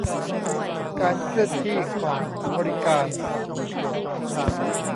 การเคลื่อนที่ของบริการ